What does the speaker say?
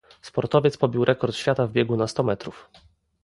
Sportowiec pobił rekord świata w biegu na sto metrów.